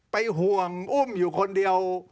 ห่วงอุ้มอยู่คนเดียว